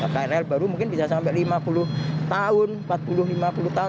krl baru mungkin bisa sampai lima puluh tahun empat puluh lima puluh tahun